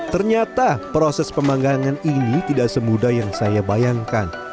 ternyata proses pemanggangan ini tidak semudah yang saya bayangkan